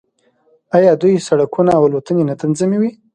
آیا دوی سړکونه او الوتنې نه تنظیموي؟